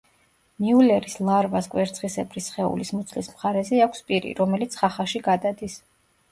მიულერის ლარვას კვერცხისებრი სხეულის მუცლის მხარეზე აქვს პირი, რომელიც ხახაში გადადის.